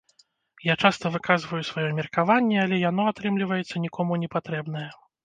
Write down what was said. Я часта выказваю сваё меркаванне, але яно, атрымліваецца, нікому не патрэбнае.